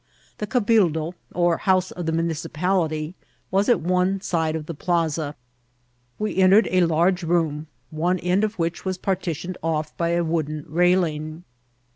The cabildo, or house of the municipality, was at one side of the plaza. We entered a large room, one end of which was partitioned off by a wooden railing.